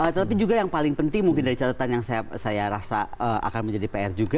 tapi juga yang paling penting mungkin dari catatan yang saya rasa akan menjadi pr juga